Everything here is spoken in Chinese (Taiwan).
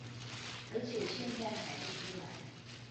而且現在還不出來